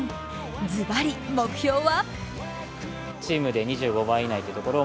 ずばり目標は？